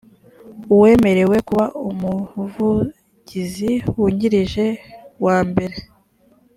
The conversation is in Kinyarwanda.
uwemerewe kuba umuvugizi wungirije wa mbere